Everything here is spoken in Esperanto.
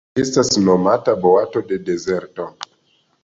Ĝi estas nomata boato de dezerto.